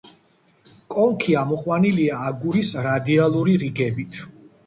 კონქი ამოყვანილია აგურის რადიალური რიგებით.